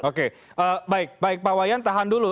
oke baik baik pak wayan tahan dulu